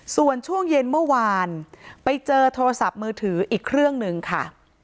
ส่วนช่วงเย็นเมื่อวานไปเจอโทรศัพท์มือถืออีกเครื่องหนึ่งค่ะ